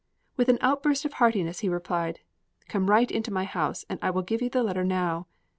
With an outburst of heartiness he replied: "Come right into my house, and I will give you the letter now."